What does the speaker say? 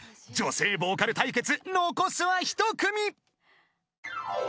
［女性ボーカル対決残すは１組］